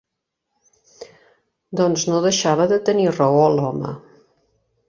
Doncs no deixava de tenir raó, l'home.